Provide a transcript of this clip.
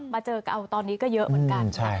มาเจอกับตอนนี้ก็เยอะเหมือนกัน